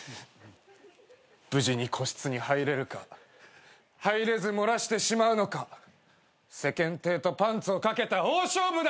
無事に個室に入れるか入れず漏らしてしまうのか世間体とパンツを賭けた大勝負だ！